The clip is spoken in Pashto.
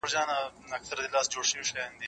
زه به اوږده موده مېوې خوړلې وم،